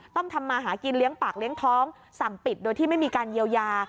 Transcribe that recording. ต้องทำมาหากินเลี้ยงปากเลี้ยงท้องสั่งปิดโดยที่ไม่มีการเยียวยา